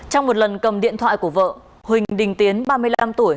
trong một lần cầm điện thoại của vợ huỳnh đình tiến ba mươi năm tuổi